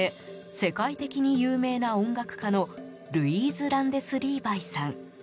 世界的に有名な音楽家のルイーズ・ランデス・リーヴァイさん。